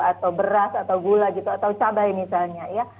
atau beras atau gula gitu atau cabai misalnya ya